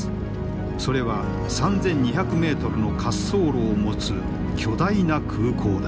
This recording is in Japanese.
それは３，２００メートルの滑走路を持つ巨大な空港だ。